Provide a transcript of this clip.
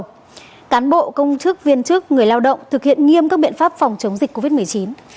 chủ tịch ubnd thị xã hoài nhơn yêu cầu cán bộ công chức viên chức và người lao động thực hiện nghiêm các biện pháp phòng chống dịch covid một mươi chín